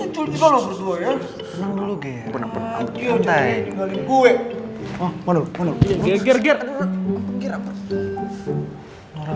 cucul kita loh berdua ya